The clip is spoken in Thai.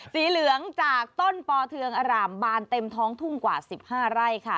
สีเหลืองจากต้นปอเทืองอร่ามบานเต็มท้องทุ่งกว่า๑๕ไร่ค่ะ